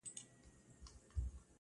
زما سره يې دومره ناځواني وكړله .